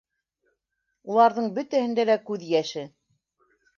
Уларҙың бөтәһендә лә күҙ йәше.